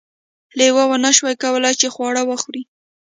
لیوه ونشوای کولی چې خواړه وخوري.